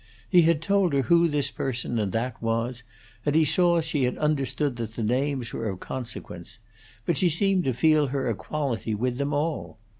He had told her who this person and that was; and he saw she had understood that the names were of consequence; but she seemed to feel her equality with them all.